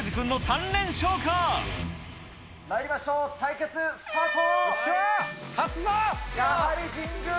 まいりましょう、対決スタート。